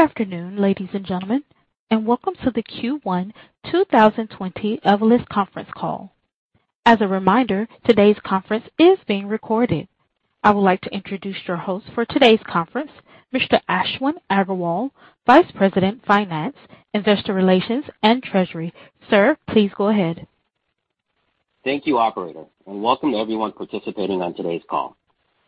Good afternoon, ladies and gentlemen, welcome to the Q1 2020 Evolus conference call. As a reminder, today's conference is being recorded. I would like to introduce your host for today's conference, Mr. Ashwin Agarwal, Vice President, Finance, Investor Relations, and Treasury. Sir, please go ahead. Thank you, operator, and welcome to everyone participating on today's call.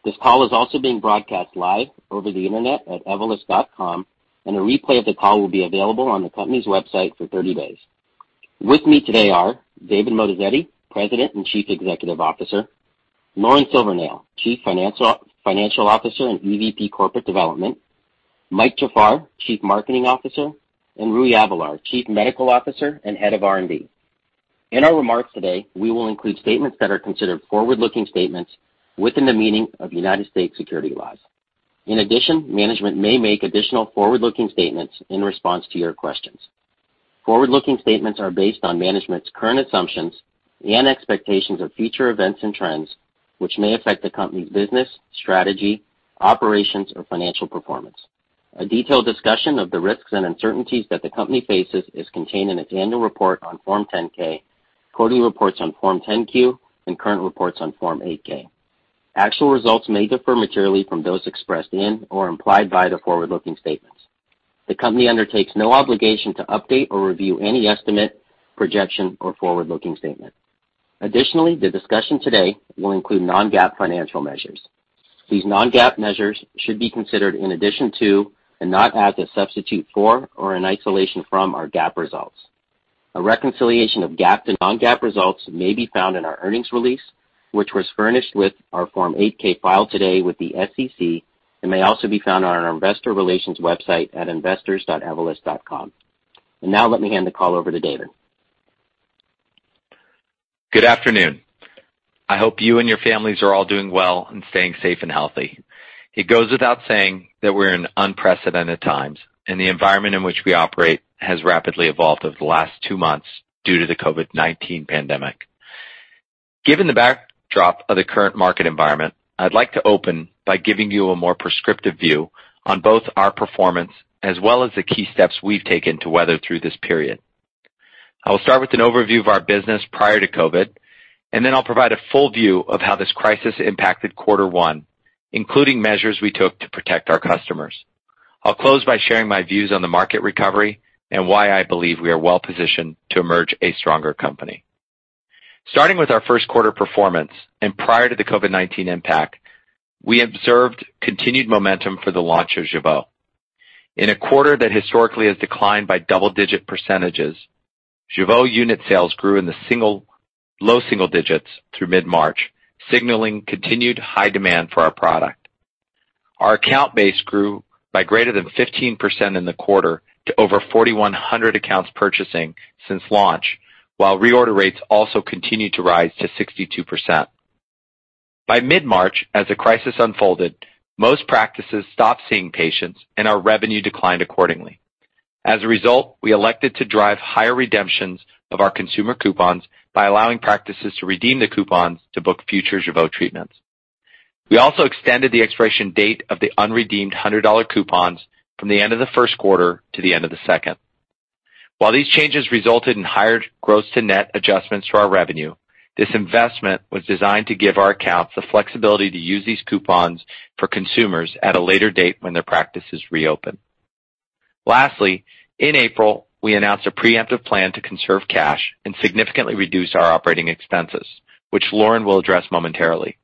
This call is also being broadcast live over the internet at evolus.com, and a replay of the call will be available on the company's website for 30 days. With me today are David Moatazedi, President and Chief Executive Officer; Lauren Silvernail, Chief Financial Officer and EVP Corporate Development; Mike Jafar, Chief Marketing Officer; and Rui Avelar, Chief Medical Officer and Head of R&D. In our remarks today, we will include statements that are considered forward-looking statements within the meaning of United States securities laws. In addition, management may make additional forward-looking statements in response to your questions. Forward-looking statements are based on management's current assumptions and expectations of future events and trends, which may affect the company's business, strategy, operations, or financial performance. A detailed discussion of the risks and uncertainties that the company faces is contained in its annual report on Form 10-K, quarterly reports on Form 10-Q, and current reports on Form 8-K. Actual results may differ materially from those expressed in or implied by the forward-looking statements. The company undertakes no obligation to update or review any estimate, projection, or forward-looking statement. Additionally, the discussion today will include non-GAAP financial measures. These non-GAAP measures should be considered in addition to and not as a substitute for or in isolation from our GAAP results. A reconciliation of GAAP to non-GAAP results may be found in our earnings release, which was furnished with our Form 8-K filed today with the SEC and may also be found on our investor relations website at investors.evolus.com. Now let me hand the call over to David. Good afternoon. I hope you and your families are all doing well and staying safe and healthy. It goes without saying that we're in unprecedented times, and the environment in which we operate has rapidly evolved over the last two months due to the COVID-19 pandemic. Given the backdrop of the current market environment, I'd like to open by giving you a more prescriptive view on both our performance as well as the key steps we've taken to weather through this period. I will start with an overview of our business prior to COVID-19, and then I'll provide a full view of how this crisis impacted quarter one, including measures we took to protect our customers. I'll close by sharing my views on the market recovery and why I believe we are well-positioned to emerge a stronger company. Starting with our first quarter performance and prior to the COVID-19 impact, we observed continued momentum for the launch of JEUVEAU. In a quarter that historically has declined by double-digit percentages, JEUVEAU unit sales grew in the low single digits through mid-March, signaling continued high demand for our product. Our account base grew by greater than 15% in the quarter to over 4,100 accounts purchasing since launch, while reorder rates also continued to rise to 62%. By mid-March, as the crisis unfolded, most practices stopped seeing patients, and our revenue declined accordingly. As a result, we elected to drive higher redemptions of our consumer coupons by allowing practices to redeem the coupons to book future JEUVEAU treatments. We also extended the expiration date of the unredeemed $100 coupons from the end of the first quarter to the end of the second. While these changes resulted in higher gross to net adjustments to our revenue, this investment was designed to give our accounts the flexibility to use these coupons for consumers at a later date when their practices reopen. Lastly, in April, we announced a preemptive plan to conserve cash and significantly reduce our operating expenses, which Lauren will address momentarily.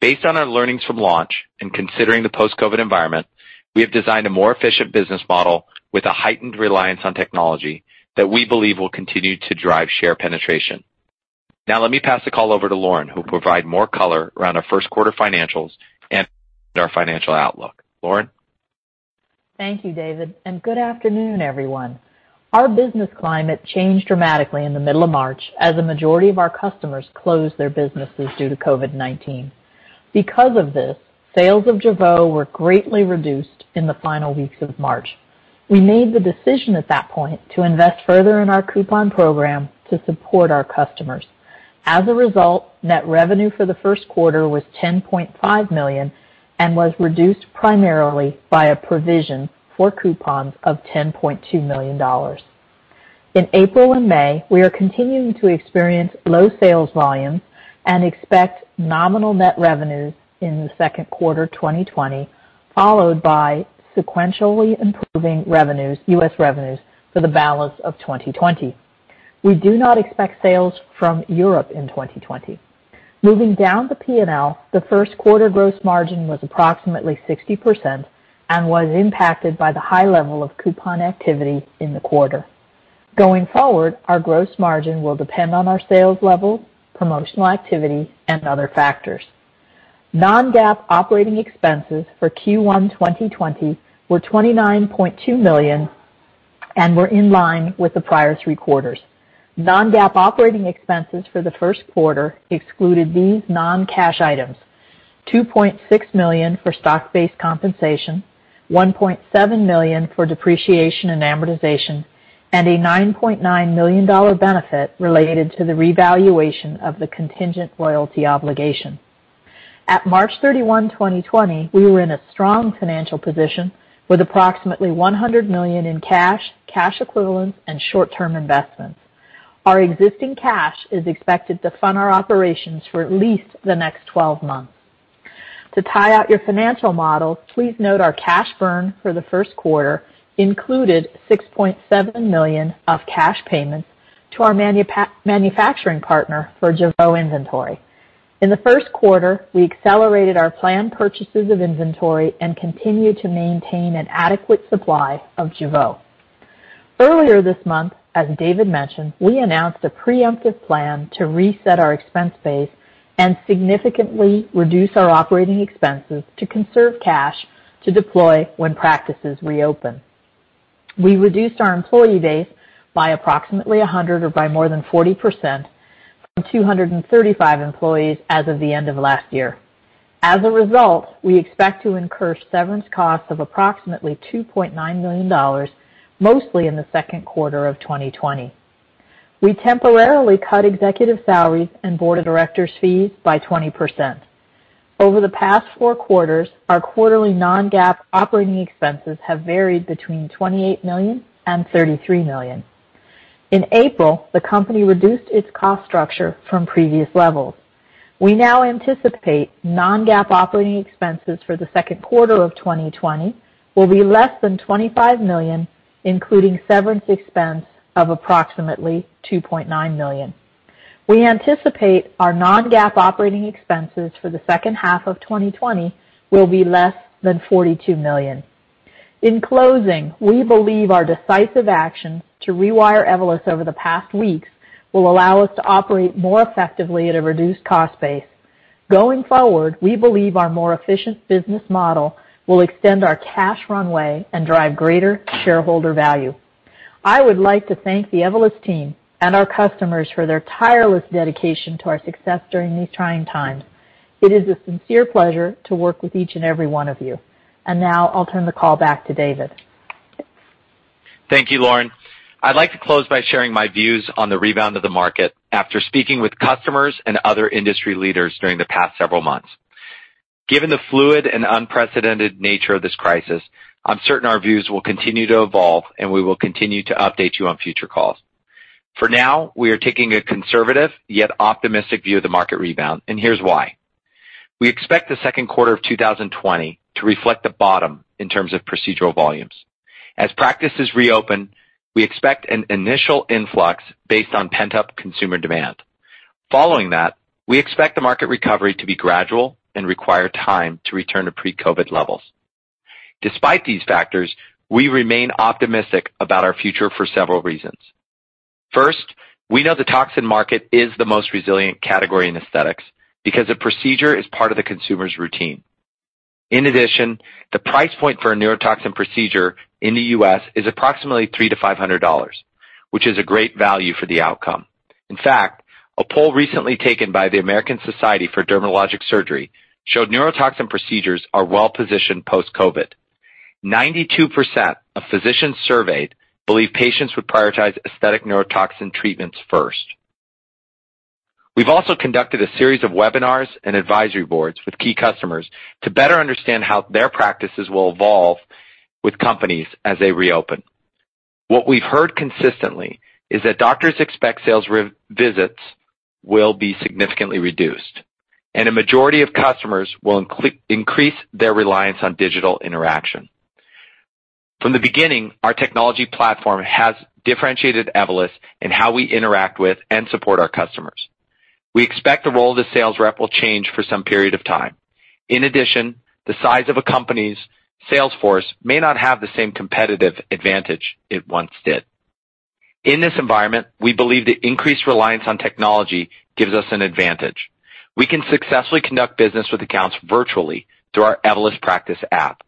Based on our learnings from launch and considering the post-COVID-19 environment, we have designed a more efficient business model with a heightened reliance on technology that we believe will continue to drive share penetration. Now let me pass the call over to Lauren, who will provide more color around our first quarter financials and our financial outlook. Lauren? Thank you, David, and good afternoon, everyone. Our business climate changed dramatically in the middle of March as the majority of our customers closed their businesses due to COVID-19. Because of this, sales of JEUVEAU were greatly reduced in the final weeks of March. We made the decision at that point to invest further in our coupon program to support our customers. As a result, net revenue for the first quarter was $10.5 million and was reduced primarily by a provision for coupons of $10.2 million. In April and May, we are continuing to experience low sales volumes and expect nominal net revenues in the second quarter 2020, followed by sequentially improving US revenues for the balance of 2020. We do not expect sales from Europe in 2020. Moving down the P&L, the first quarter gross margin was approximately 60% and was impacted by the high level of coupon activity in the quarter. Going forward, our gross margin will depend on our sales level, promotional activity, and other factors. Non-GAAP operating expenses for Q1 2020 were $29.2 million and were in line with the prior three quarters. Non-GAAP operating expenses for the first quarter excluded these non-cash items: $2.6 million for stock-based compensation, $1.7 million for depreciation and amortization, and a $9.9 million benefit related to the revaluation of the contingent royalty obligation. At March 31, 2020, we were in a strong financial position with approximately $100 million in cash equivalents, and short-term investments. Our existing cash is expected to fund our operations for at least the next 12 months. To tie out your financial models, please note our cash burn for the first quarter included $6.7 million of cash payments to our manufacturing partner for JEUVEAU inventory. In the first quarter, we accelerated our planned purchases of inventory and continued to maintain an adequate supply of JEUVEAU. Earlier this month, as David mentioned, we announced a preemptive plan to reset our expense base and significantly reduce our operating expenses to conserve cash to deploy when practices reopen. We reduced our employee base by approximately 100, or by more than 40%, from 235 employees as of the end of last year. As a result, we expect to incur severance costs of approximately $2.9 million, mostly in the second quarter of 2020. We temporarily cut executive salaries and board of directors' fees by 20%. Over the past four quarters, our quarterly non-GAAP operating expenses have varied between $28 million and $33 million. In April, the company reduced its cost structure from previous levels. We now anticipate non-GAAP operating expenses for the second quarter of 2020 will be less than $25 million, including severance expense of approximately $2.9 million. We anticipate our non-GAAP operating expenses for the second half of 2020 will be less than $42 million. In closing, we believe our decisive actions to rewire Evolus over the past weeks will allow us to operate more effectively at a reduced cost base. Going forward, we believe our more efficient business model will extend our cash runway and drive greater shareholder value. I would like to thank the Evolus team and our customers for their tireless dedication to our success during these trying times. It is a sincere pleasure to work with each and every one of you. Now I'll turn the call back to David. Thank you, Lauren. I'd like to close by sharing my views on the rebound of the market after speaking with customers and other industry leaders during the past several months. Given the fluid and unprecedented nature of this crisis, I'm certain our views will continue to evolve, and we will continue to update you on future calls. For now, we are taking a conservative yet optimistic view of the market rebound. Here's why. We expect the second quarter of 2020 to reflect the bottom in terms of procedural volumes. As practices reopen, we expect an initial influx based on pent-up consumer demand. Following that, we expect the market recovery to be gradual and require time to return to pre-COVID levels. Despite these factors, we remain optimistic about our future for several reasons. First, we know the toxin market is the most resilient category in aesthetics because a procedure is part of the consumer's routine. In addition, the price point for a neurotoxin procedure in the U.S. is approximately $300-$500, which is a great value for the outcome. In fact, a poll recently taken by the American Society for Dermatologic Surgery showed neurotoxin procedures are well-positioned post-COVID. 92% of physicians surveyed believe patients would prioritize aesthetic neurotoxin treatments first. We've also conducted a series of webinars and advisory boards with key customers to better understand how their practices will evolve with companies as they reopen. What we've heard consistently is that doctors expect sales visits will be significantly reduced, and a majority of customers will increase their reliance on digital interaction. From the beginning, our technology platform has differentiated Evolus in how we interact with and support our customers. We expect the role of the sales rep will change for some period of time. In addition, the size of a company's sales force may not have the same competitive advantage it once did. In this environment, we believe the increased reliance on technology gives us an advantage. We can successfully conduct business with accounts virtually through our Evolus Practice app.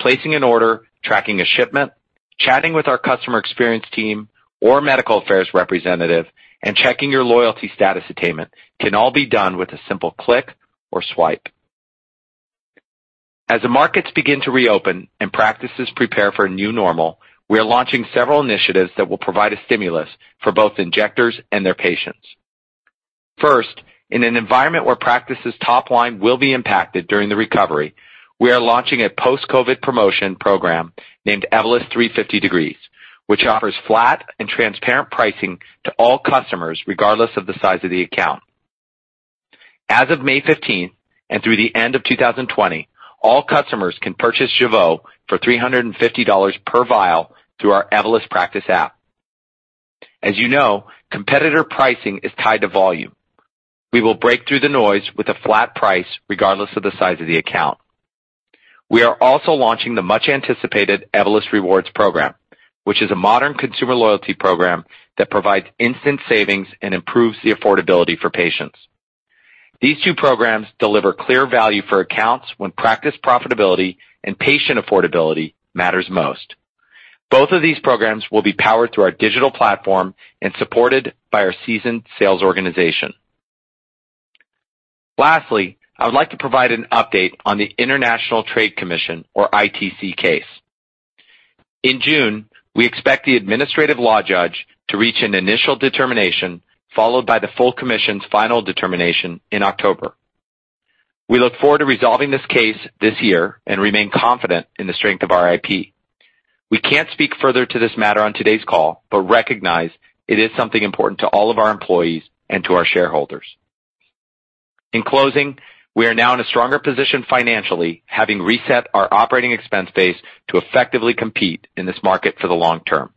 Placing an order, tracking a shipment, chatting with our customer experience team or medical affairs representative, and checking your loyalty status attainment can all be done with a simple click or swipe. As the markets begin to reopen and practices prepare for a new normal, we are launching several initiatives that will provide a stimulus for both injectors and their patients. First, in an environment where practices' top line will be impacted during the recovery, we are launching a post-COVID promotion program named Evolus 350 Degrees, which offers flat and transparent pricing to all customers, regardless of the size of the account. As of May 15th and through the end of 2020, all customers can purchase JEUVEAU for $350 per vial through our Evolus Practice app. As you know, competitor pricing is tied to volume. We will break through the noise with a flat price regardless of the size of the account. We are also launching the much-anticipated Evolus Rewards program, which is a modern consumer loyalty program that provides instant savings and improves the affordability for patients. These two programs deliver clear value for accounts when practice profitability and patient affordability matters most. Both of these programs will be powered through our digital platform and supported by our seasoned sales organization. Lastly, I would like to provide an update on the International Trade Commission, or ITC case. In June, we expect the administrative law judge to reach an initial determination, followed by the full commission's final determination in October. We look forward to resolving this case this year and remain confident in the strength of our IP. We can't speak further to this matter on today's call, but recognize it is something important to all of our employees and to our shareholders. In closing, we are now in a stronger position financially, having reset our operating expense base to effectively compete in this market for the long term.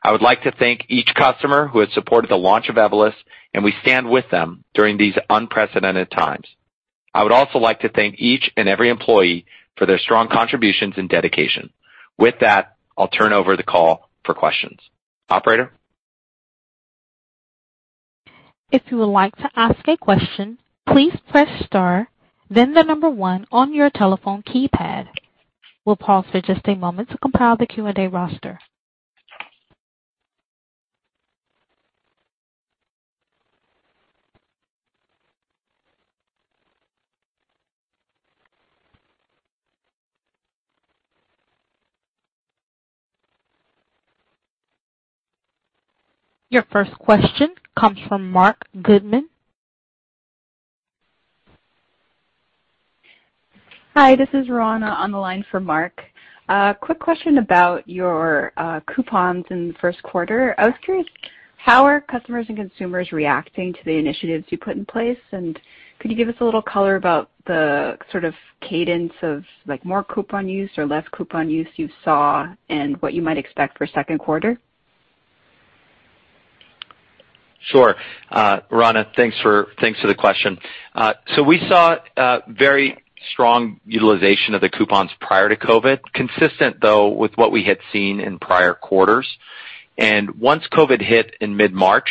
I would like to thank each customer who has supported the launch of Evolus, and we stand with them during these unprecedented times. I would also like to thank each and every employee for their strong contributions and dedication. With that, I will turn over the call for questions. Operator? If you would like to ask a question, please press star then the number one on your telephone keypad. We'll pause for just a moment to compile the Q&A roster. Your first question comes from Marc Goodman. Hi, this is Rona on the line for Marc. Quick question about your coupons in the first quarter. I was curious, how are customers and consumers reacting to the initiatives you put in place? Could you give us a little color about the sort of cadence of more coupon use or less coupon use you saw, and what you might expect for second quarter? Sure. Rona, thanks for the question. We saw very strong utilization of the coupons prior to COVID-19, consistent though with what we had seen in prior quarters. Once COVID-19 hit in mid-March,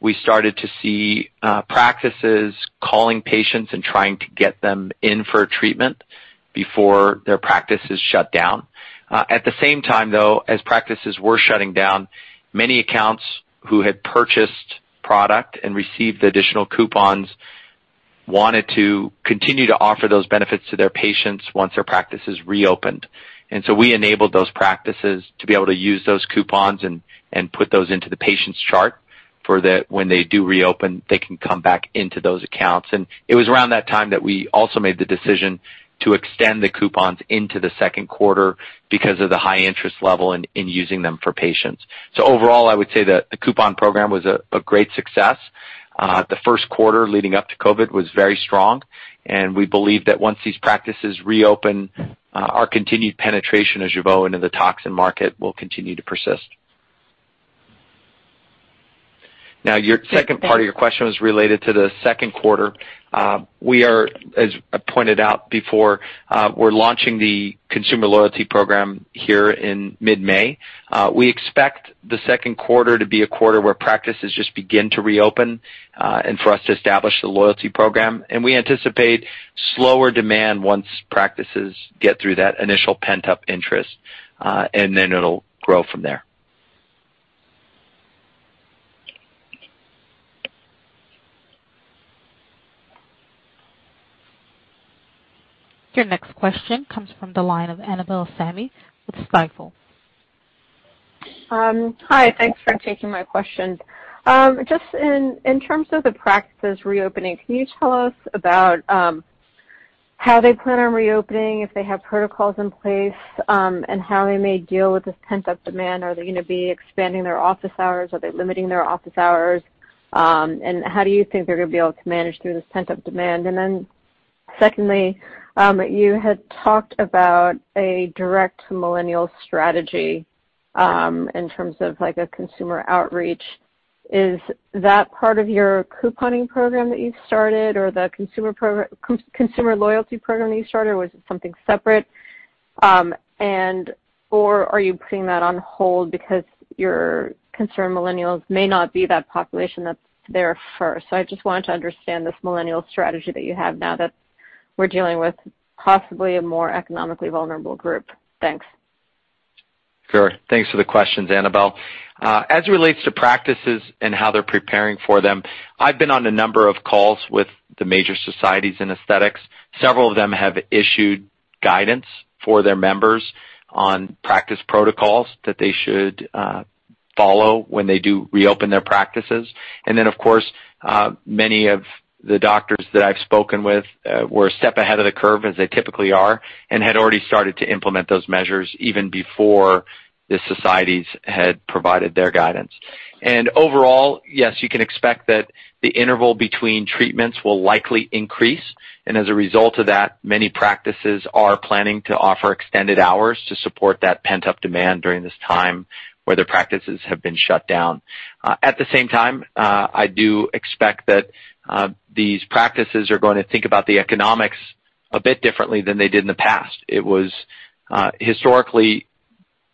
we started to see practices calling patients and trying to get them in for a treatment before their practices shut down. At the same time though, as practices were shutting down, many accounts who had purchased product and received additional coupons wanted to continue to offer those benefits to their patients once their practices reopened. We enabled those practices to be able to use those coupons and put those into the patient's chart for when they do reopen, they can come back into those accounts. It was around that time that we also made the decision to extend the coupons into the second quarter because of the high interest level in using them for patients. Overall, I would say the coupon program was a great success. The first quarter leading up to COVID-19 was very strong, and we believe that once these practices reopen, our continued penetration as you go into the toxin market will continue to persist. Your second part of your question was related to the second quarter. As I pointed out before, we're launching the consumer loyalty program here in mid-May. We expect the second quarter to be a quarter where practices just begin to reopen, and for us to establish the loyalty program. We anticipate slower demand once practices get through that initial pent-up interest, and then it'll grow from there. Your next question comes from the line of Annabel Samimy with Stifel. Hi, thanks for taking my question. Just in terms of the practices reopening, can you tell us about how they plan on reopening, if they have protocols in place, and how they may deal with this pent-up demand? Are they going to be expanding their office hours? Are they limiting their office hours? How do you think they're going to be able to manage through this pent-up demand? Secondly, you had talked about a direct millennial strategy, in terms of a consumer outreach. Is that part of your couponing program that you've started, or the consumer loyalty program that you started, or was it something separate? Are you putting that on hold because you're concerned millennials may not be that population that's there first? I just wanted to understand this millennial strategy that you have now that we're dealing with possibly a more economically vulnerable group. Thanks. Sure. Thanks for the questions, Annabel. As it relates to practices and how they're preparing for them, I've been on a number of calls with the major societies in aesthetics. Several of them have issued guidance for their members on practice protocols that they should follow when they do reopen their practices. Of course, many of the doctors that I've spoken with were a step ahead of the curve, as they typically are, and had already started to implement those measures even before the societies had provided their guidance. Overall, yes, you can expect that the interval between treatments will likely increase. As a result of that, many practices are planning to offer extended hours to support that pent-up demand during this time where their practices have been shut down. At the same time, I do expect that these practices are going to think about the economics a bit differently than they did in the past. It was historically,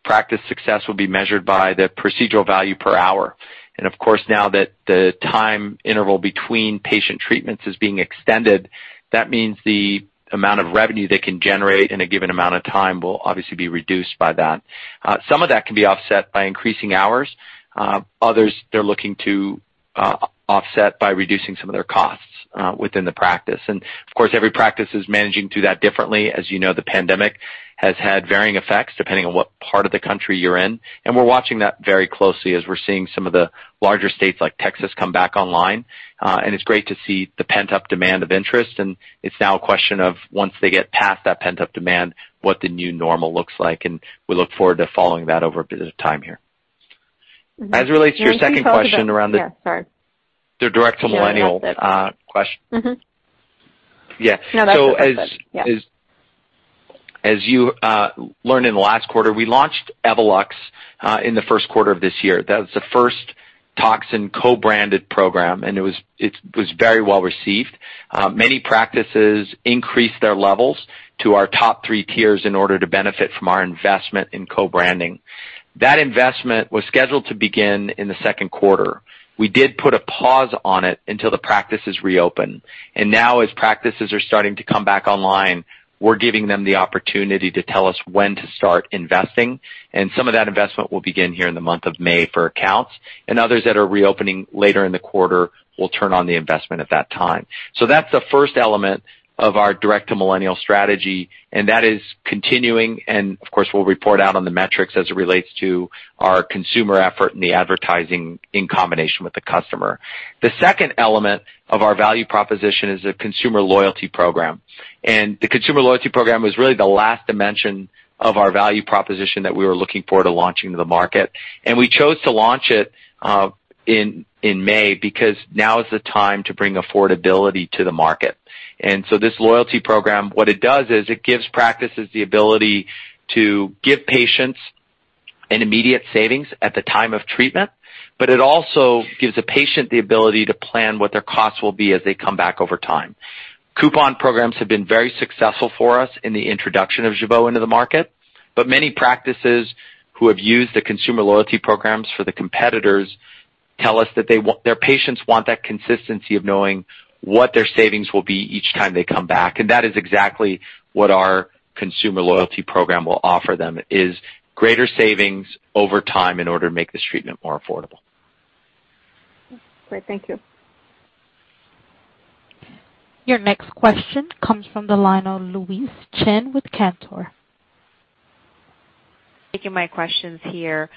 practice success would be measured by the procedural value per hour. Of course, now that the time interval between patient treatments is being extended, that means the amount of revenue they can generate in a given amount of time will obviously be reduced by that. Some of that can be offset by increasing hours. Others, they're looking to offset by reducing some of their costs within the practice. Of course, every practice is managing to do that differently. As you know, the pandemic has had varying effects depending on what part of the country you're in, and we're watching that very closely as we're seeing some of the larger states like Texas come back online. It's great to see the pent-up demand of interest, and it's now a question of, once they get past that pent-up demand, what the new normal looks like, and we look forward to following that over a bit of time here. Yeah, sorry. The direct to millennial question. Yeah. No, that's okay. As you learned in the last quarter, we launched Evolus in the first quarter of this year. That was the first toxin co-branded program, and it was very well-received. Many practices increased their levels to our top three tiers in order to benefit from our investment in co-branding. That investment was scheduled to begin in the second quarter. We did put a pause on it until the practices reopen. Now as practices are starting to come back online, we're giving them the opportunity to tell us when to start investing, and some of that investment will begin here in the month of May for accounts, and others that are reopening later in the quarter will turn on the investment at that time. That's the first element of our direct-to-millennial strategy, and that is continuing, and of course, we'll report out on the metrics as it relates to our consumer effort and the advertising in combination with the customer. The second element of our value proposition is a consumer loyalty program. The consumer loyalty program was really the last dimension of our value proposition that we were looking for to launch into the market. We chose to launch it in May because now is the time to bring affordability to the market. This loyalty program, what it does is it gives practices the ability to give patients an immediate savings at the time of treatment, but it also gives the patient the ability to plan what their costs will be as they come back over time. Coupon programs have been very successful for us in the introduction of JEUVEAU into the market. Many practices who have used the consumer loyalty programs for the competitors tell us that their patients want that consistency of knowing what their savings will be each time they come back. That is exactly what our Consumer Loyalty Program will offer them, is greater savings over time in order to make this treatment more affordable. Great. Thank you. Your next question comes from the line of Louise Chen with Cantor. Taking my questions here.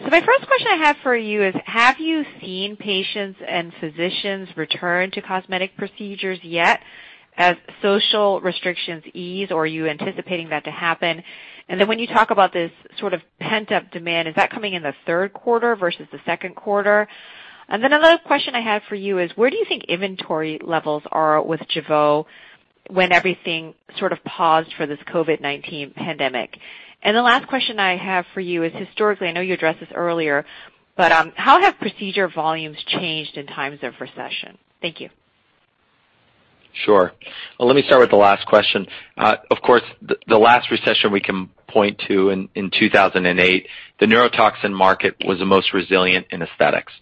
My first question I have for you is, have you seen patients and physicians return to cosmetic procedures yet as social restrictions ease, or are you anticipating that to happen? When you talk about this sort of pent-up demand, is that coming in the third quarter versus the second quarter? Another question I had for you is, where do you think inventory levels are with JEUVEAU when everything sort of paused for this COVID-19 pandemic? The last question I have for you is historically, I know you addressed this earlier, but how have procedure volumes changed in times of recession? Thank you. Sure. Well, let me start with the last question. Of course, the last recession we can point to in 2008, the neurotoxin market was the most resilient in aesthetics.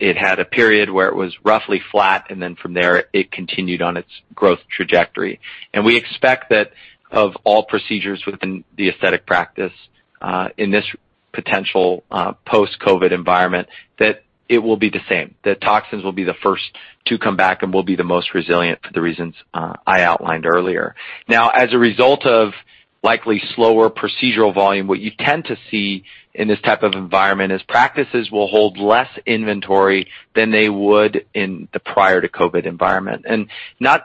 It had a period where it was roughly flat, and then from there, it continued on its growth trajectory. We expect that of all procedures within the aesthetic practice, in this potential post-COVID environment, that it will be the same, that toxins will be the first to come back and will be the most resilient for the reasons I outlined earlier. Now, as a result of likely slower procedural volume, what you tend to see in this type of environment is practices will hold less inventory than they would in the prior to COVID-19 environment.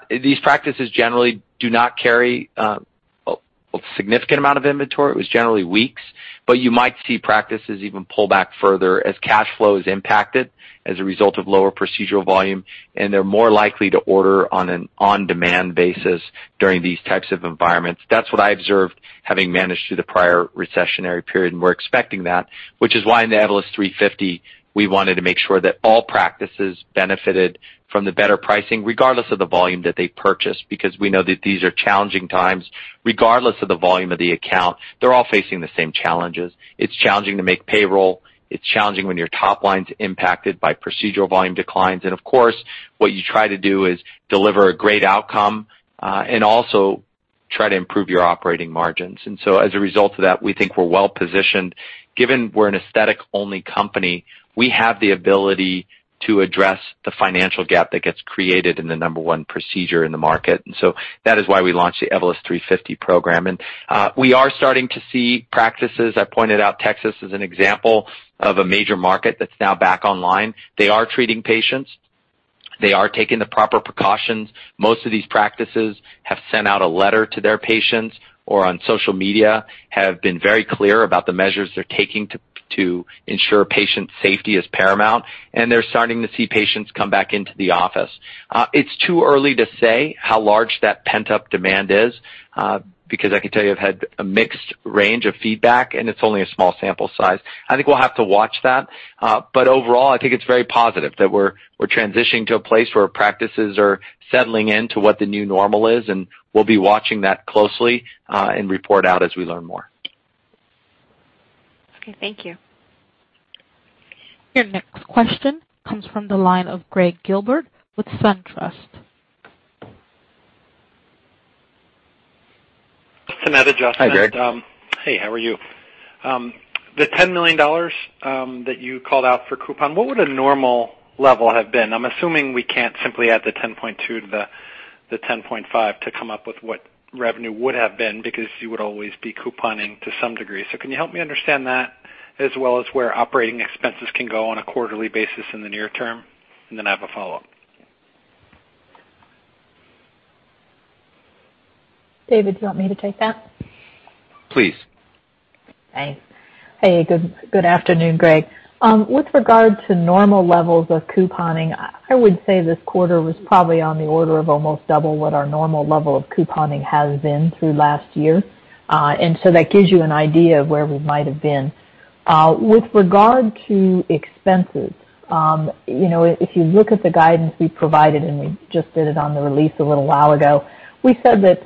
These practices generally do not carry a significant amount of inventory. It was generally weeks. You might see practices even pull back further as cash flow is impacted as a result of lower procedural volume, and they're more likely to order on an on-demand basis during these types of environments. That's what I observed having managed through the prior recessionary period, and we're expecting that, which is why in the Evolus 350 Degrees, we wanted to make sure that all practices benefited from the better pricing, regardless of the volume that they purchased, because we know that these are challenging times. Regardless of the volume of the account, they're all facing the same challenges. It's challenging to make payroll. It's challenging when your top line's impacted by procedural volume declines. Of course, what you try to do is deliver a great outcome, and also try to improve your operating margins. As a result of that, we think we're well-positioned. Given we're an aesthetic-only company, we have the ability to address the financial gap that gets created in the number one procedure in the market. That is why we launched the Evolus 350 Degrees program. We are starting to see practices, I pointed out Texas as an example of a major market that's now back online. They are treating patients. They are taking the proper precautions. Most of these practices have sent out a letter to their patients or on social media, have been very clear about the measures they're taking to ensure patient safety is paramount, and they're starting to see patients come back into the office. It's too early to say how large that pent-up demand is, because I can tell you I've had a mixed range of feedback, and it's only a small sample size. I think we'll have to watch that. Overall, I think it's very positive that we're transitioning to a place where practices are settling into what the new normal is, and we'll be watching that closely, and report out as we learn more. Okay, thank you. Your next question comes from the line of Gregg Gilbert with SunTrust. To net adjustment. Hi, Gregg. Hey, how are you? The $10 million that you called out for coupon, what would a normal level have been? I'm assuming we can't simply add the $10.2 to the $10.5 to come up with what revenue would have been, because you would always be couponing to some degree. Can you help me understand that, as well as where operating expenses can go on a quarterly basis in the near term? I have a follow-up. David, do you want me to take that? Please. Thanks. Hey, good afternoon, Gregg. With regard to normal levels of couponing, I would say this quarter was probably on the order of almost double what our normal level of couponing has been through last year. That gives you an idea of where we might have been. With regard to expenses, if you look at the guidance we provided, and we just did it on the release a little while ago, we said that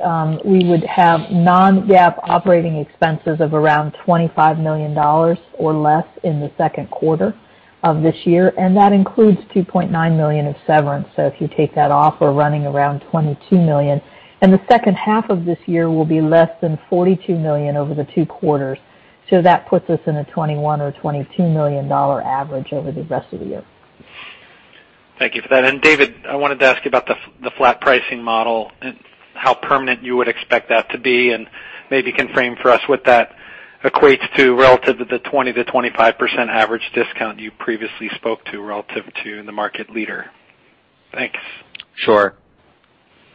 we would have non-GAAP operating expenses of around $25 million or less in the second quarter of this year, and that includes $2.9 million of severance. If you take that off, we're running around $22 million. The second half of this year will be less than $42 million over the two quarters. That puts us in a $21 million or $22 million average over the rest of the year. Thank you for that. David, I wanted to ask you about the flat pricing model and how permanent you would expect that to be, and maybe you can frame for us what that equates to relative to the 20%-25% average discount you previously spoke to relative to the market leader. Thanks. Sure.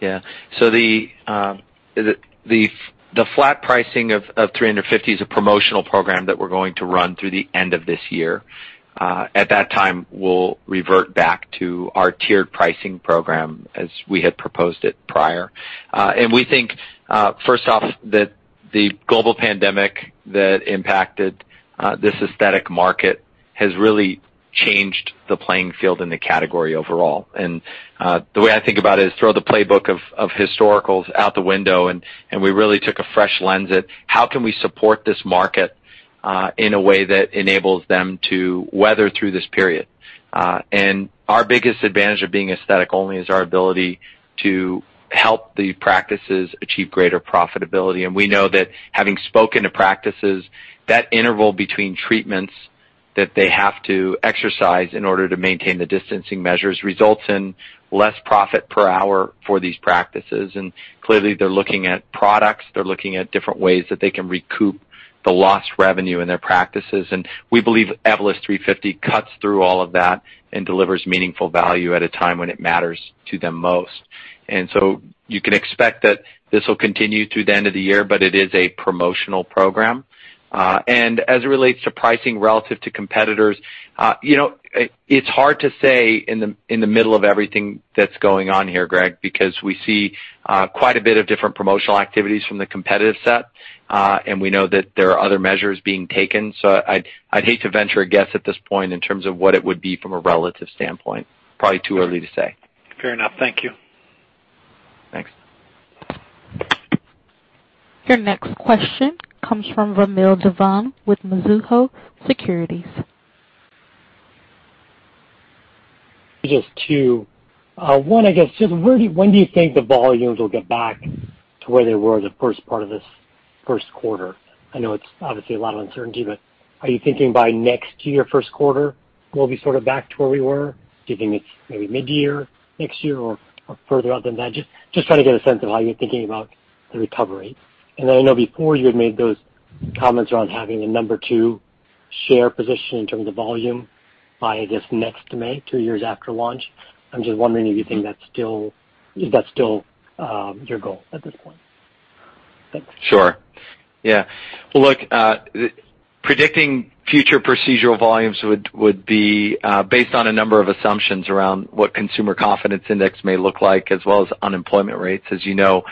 Yeah. The flat pricing of Evolus 350 Degrees is a promotional program that we're going to run through the end of this year. At that time, we'll revert back to our tiered pricing program as we had proposed it prior. We think, first off, that the global pandemic that impacted this aesthetic market has really changed the playing field in the category overall. The way I think about it is throw the playbook of historicals out the window and we really took a fresh lens at how can we support this market in a way that enables them to weather through this period. Our biggest advantage of being aesthetic only is our ability to help the practices achieve greater profitability. We know that having spoken to practices, that interval between treatments that they have to exercise in order to maintain the distancing measures results in less profit per hour for these practices. Clearly they're looking at products. They're looking at different ways that they can recoup the lost revenue in their practices. We believe Evolus 350 Degrees cuts through all of that and delivers meaningful value at a time when it matters to them most. You can expect that this will continue through the end of the year, but it is a promotional program. As it relates to pricing relative to competitors, it's hard to say in the middle of everything that's going on here, Gregg, because we see quite a bit of different promotional activities from the competitive set. We know that there are other measures being taken. I'd hate to venture a guess at this point in terms of what it would be from a relative standpoint. Probably too early to say. Fair enough. Thank you. Thanks. Your next question comes from Vamil Divan with Mizuho Securities. Just two. One, I guess, just when do you think the volumes will get back to where they were the first part of this first quarter? I know it's obviously a lot of uncertainty, are you thinking by next year, first quarter, we'll be sort of back to where we were? Do you think maybe mid-year next year or further out than that? Just trying to get a sense of how you're thinking about the recovery. I know before you had made those comments around having a number two share position in terms of volume by, I guess, next May, two years after launch. I'm just wondering if you think that's still your goal at this point. Thanks. Sure. Yeah. Look, predicting future procedural volumes would be based on a number of assumptions around what Consumer Confidence Index may look like, as well as unemployment rates. As you know,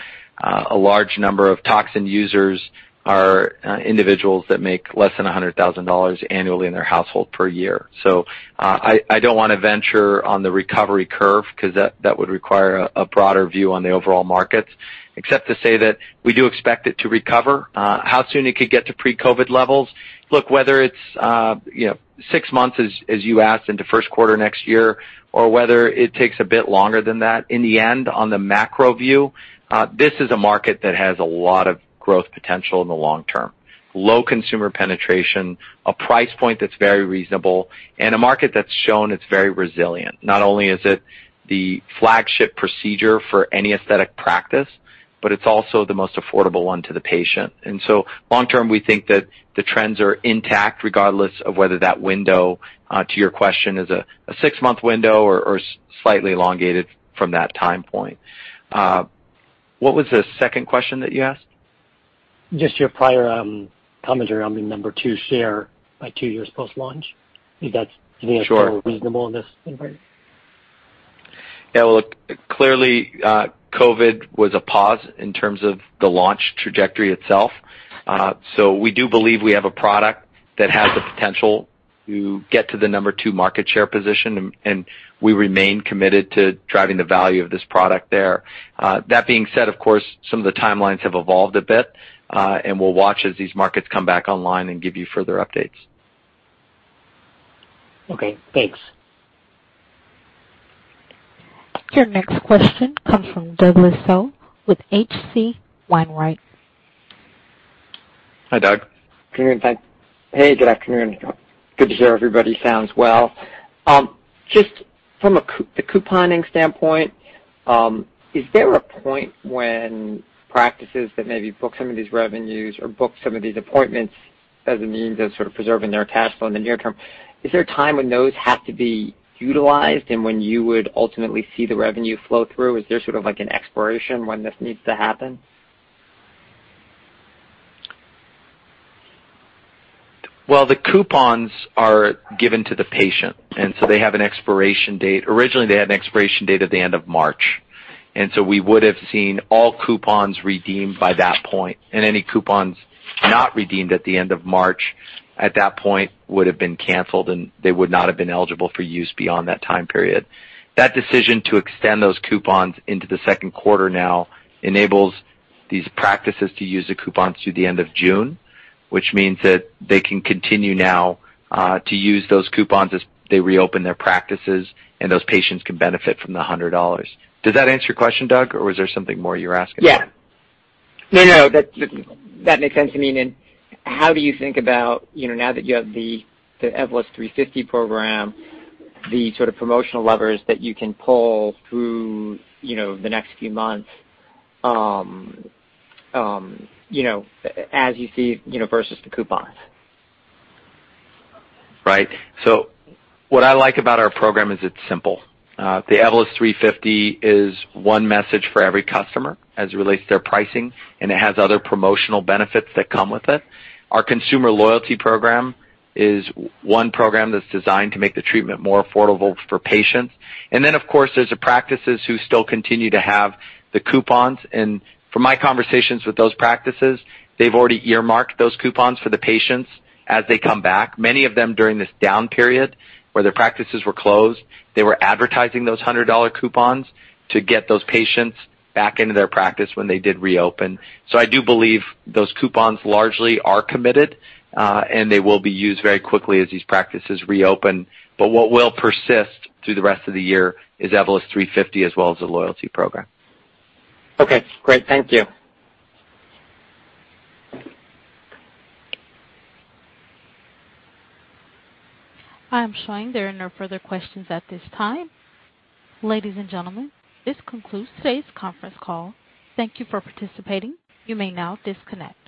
a large number of toxin users are individuals that make less than $100,000 annually in their household per year. I don't want to venture on the recovery curve because that would require a broader view on the overall markets, except to say that we do expect it to recover. How soon it could get to pre-COVID levels? Look, whether it's six months, as you asked, into first quarter next year, or whether it takes a bit longer than that, in the end, on the macro view, this is a market that has a lot of growth potential in the long term. Low consumer penetration, a price point that's very reasonable, and a market that's shown it's very resilient. Not only is it the flagship procedure for any aesthetic practice, but it's also the most affordable one to the patient. Long term, we think that the trends are intact, regardless of whether that window to your question is a six-month window or slightly elongated from that time point. What was the second question that you asked? Just your prior commentary on the number two share by two years post-launch. If that's still reasonable in this environment? Yeah, look, clearly, COVID-19 was a pause in terms of the launch trajectory itself. We do believe we have a product that has the potential to get to the number two market share position, and we remain committed to driving the value of this product there. That being said, of course, some of the timelines have evolved a bit, and we'll watch as these markets come back online and give you further updates. Okay, thanks. Your next question comes from Douglas Tsao with H.C. Wainwright. Hi, Douglas. Hey, good afternoon, Scott. Good to hear everybody sounds well. Just from the couponing standpoint, is there a point when practices that maybe book some of these revenues or book some of these appointments as a means of preserving their cash flow in the near term, is there a time when those have to be utilized and when you would ultimately see the revenue flow through? Is there an expiration when this needs to happen? Well, the coupons are given to the patient. They have an expiration date. Originally, they had an expiration date at the end of March. We would have seen all coupons redeemed by that point. Any coupons not redeemed at the end of March, at that point, would have been canceled, and they would not have been eligible for use beyond that time period. That decision to extend those coupons into the second quarter now enables these practices to use the coupons through the end of June, which means that they can continue now to use those coupons as they reopen their practices, and those patients can benefit from the $100. Does that answer your question, Douglas, or was there something more you were asking about? Yeah. No, that makes sense to me. How do you think about now that you have the Evolus 350 Degrees program, the sort of promotional levers that you can pull through the next few months versus the coupons? Right. What I like about our program is it's simple. The Evolus 350 Degrees is one message for every customer as it relates to their pricing, and it has other promotional benefits that come with it. Our consumer loyalty program is one program that's designed to make the treatment more affordable for patients. Of course, there's the practices who still continue to have the coupons. From my conversations with those practices, they've already earmarked those coupons for the patients as they come back. Many of them during this down period where their practices were closed, they were advertising those $100 coupons to get those patients back into their practice when they did reopen. I do believe those coupons largely are committed, and they will be used very quickly as these practices reopen. What will persist through the rest of the year is Evolus 350 Degrees as well as the loyalty program. Okay, great. Thank you. I am showing there are no further questions at this time. Ladies and gentlemen, this concludes today's conference call. Thank you for participating. You may now disconnect.